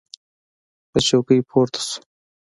له چوکۍ پورته سو.